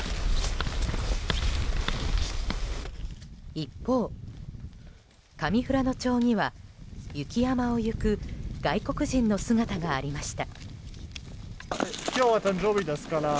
一方、上富良野町には雪山を行く外国人の姿がありました。